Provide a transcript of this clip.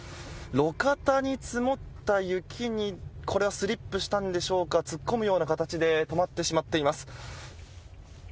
路肩に積もった雪にこれはスリップしたんでしょうか突っ込むような形で止まってしまっています。